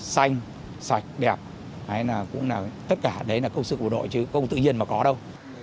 đoàn quan là xanh sạch đẹp tất cả đấy là công sự của đội chứ không tự nhiên mà có đâu